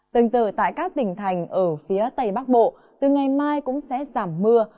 từng từ tại các tỉnh thành ở phía tây bắc bộ từ ngày mai cũng sẽ giảm mưa